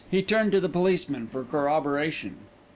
He turned to the policeman for corroboration.